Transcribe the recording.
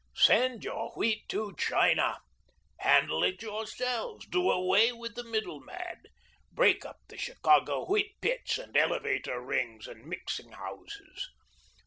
Send your wheat to China; handle it yourselves; do away with the middleman; break up the Chicago wheat pits and elevator rings and mixing houses.